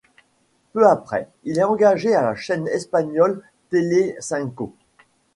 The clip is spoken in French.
Peu après il est engagé à la chaîne espagnole Telecinco.